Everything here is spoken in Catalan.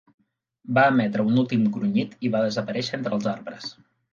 Va emetre un últim grunyit i va desaparèixer entre els arbres.